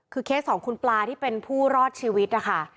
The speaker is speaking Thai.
คือเคสของคุณปลาที่เป็นผู้รอดชีวิตนะคะ